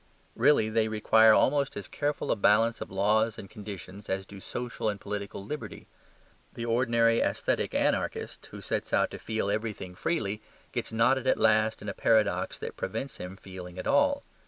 Really they require almost as careful a balance of laws and conditions as do social and political liberty. The ordinary aesthetic anarchist who sets out to feel everything freely gets knotted at last in a paradox that prevents him feeling at all.